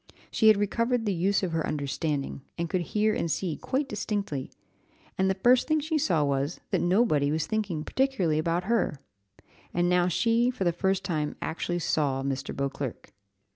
She had recovered the use of her understanding, and she could hear and see quite distinctly; and the first thing she saw was, that nobody was thinking particularly about her; and now she for the first time actually saw Mr. Beauclerc.